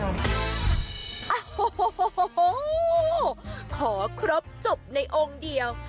โอ้โหขอครบจบในองค์เดียว